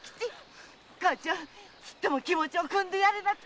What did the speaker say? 母ちゃんちっとも気持ちをくんでやれなくてよ！